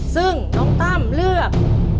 ซึ่งน้องตั้มเลือก